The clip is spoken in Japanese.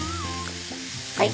はい。